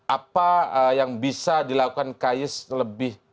apa yang bisa dilakukan kayes lebih